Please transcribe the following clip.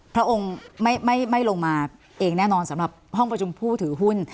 พระองค์ไม่ลงมาเองแน่นอนสำหรับห้องประชุมผู้ถือหุ้น